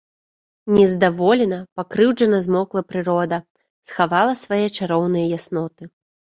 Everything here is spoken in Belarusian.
Нездаволена, пакрыўджана змоўкла прырода, схавала свае чароўныя ясноты.